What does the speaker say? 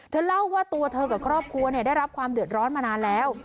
เล่าว่าตัวเธอกับครอบครัวได้รับความเดือดร้อนมานานแล้ว